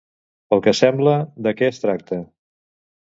Pel que sembla, de què es tracta?